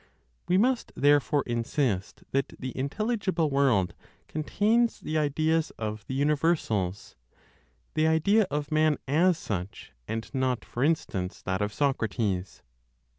We must therefore insist that the intelligible world contains the ideas of the universals, the idea of Man as such, and not, for instance, that of Socrates.